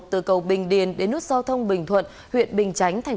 từ cầu bình điền đến nút giao thông bình thuận huyện bình chánh tp hcm